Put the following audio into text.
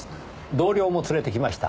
同僚も連れてきました。